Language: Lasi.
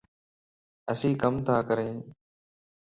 اسين ڪم تا ڪريان